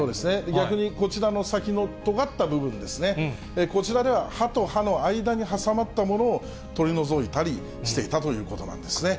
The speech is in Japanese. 逆にこちらの先のとがった部分ですね、こちらでは、歯と歯の間に挟まったものを取り除いたりしていたということなんですね。